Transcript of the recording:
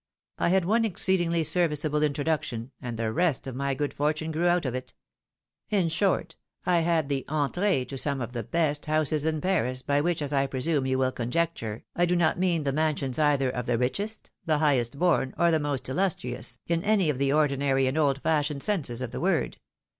I had one exceedingly serviceable introduction, and the rest of my good fortime grew out of it. In short, I had the entree to some of the best houses in Paris, by which, as I presume you wUl conjecture, I do not mean the mansions either of the richest, the highest born, or the most illustrious, in any of the ordinary and old fashioned senses of the word.